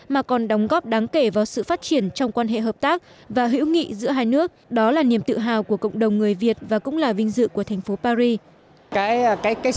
mà còn đóng góp đáng kể vào sự phát triển trong quan hệ hợp tác và hữu nghị giữa hai nước đó là niềm tự hào của cộng đồng người việt và cũng là vinh dự của thành phố paris